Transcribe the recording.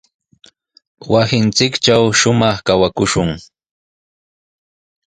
Wasinchiktraw shumaq kawakushun.